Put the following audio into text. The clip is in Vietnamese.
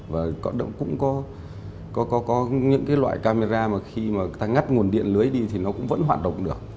và cũng có những cái loại camera mà khi mà người ta ngắt nguồn điện lưới đi thì nó cũng vẫn hoạt động được